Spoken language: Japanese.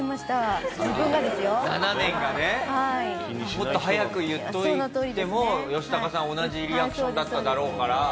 もっと早く言っといてもヨシタカさん同じリアクションだっただろうから。